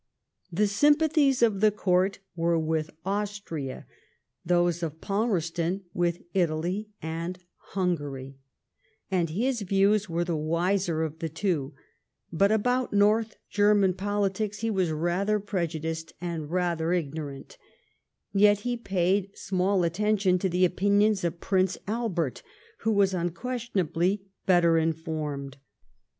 The sympathies of the Court were with Austria, those of Palmerston with Italy and Hungary, and his yiews were the wiser of the two ; but about North German politics he was rather prejudiced and rather ignorant, yet he paid small attention to the opinions of Prince Albert, who was unquestionably better informed.